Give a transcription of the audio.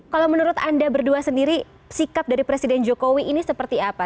kalau menurut anda berdua sendiri sikap dari presiden jokowi ini seperti apa